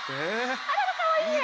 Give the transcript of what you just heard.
あらまあかわいいね！